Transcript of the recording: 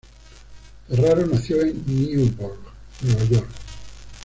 Ferraro nació en Newburgh, Nueva York.